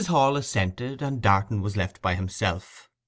Hall assented; and Darton was left by himself.